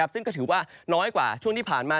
ซึ่งก็ถือว่าน้อยกว่าช่วงที่ผ่านมา